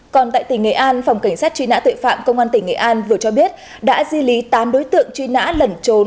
còn tại tỉnh nghệ an phòng cảnh sát truy nã tuệ phạm công an tỉnh nghệ an vừa cho biết đã di lý tám đối tượng truy nã lẩn trốn